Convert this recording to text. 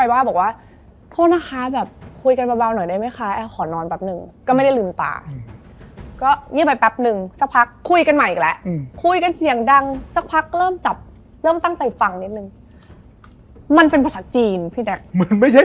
ว่ายกบุญทั้งหมดที่เขาทำให้ให้เราอะไรอย่างนี้